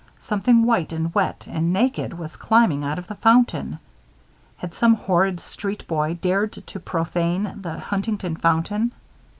Something white and wet and naked was climbing out of the fountain. Had some horrid street boy dared to profane the Huntington fountain?